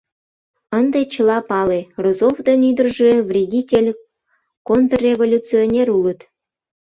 Ынде чыла пале: Розов ден ӱдыржӧ вредитель, контрреволюционер улыт.